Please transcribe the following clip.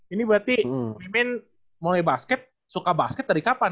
ini berarti mimin mulai basket suka basket dari kapan